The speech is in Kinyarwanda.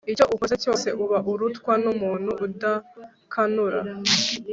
icyo ukoze cyose uba urutwa numuntu udakanura